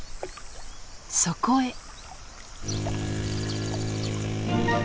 そこへ。